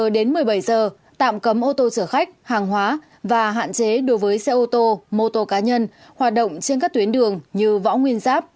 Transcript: đến một mươi bảy giờ tạm cấm ô tô chở khách hàng hóa và hạn chế đối với xe ô tô mô tô cá nhân hoạt động trên các tuyến đường như võ nguyên giáp